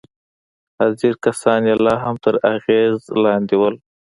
حاضر کسان يې لا هم تر اغېز لاندې وو.